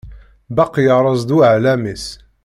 Baqi yerreẓ-d uɛellam-is.